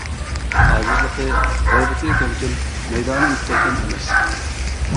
ئاجىزلىقى: غەيرىتى كەمچىل، مەيدانى مۇستەھكەم ئەمەس.